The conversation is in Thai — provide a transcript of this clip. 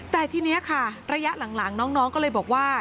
แต่ทีนี้ค่ะระยะหลังน้องก็เลยบอกว่า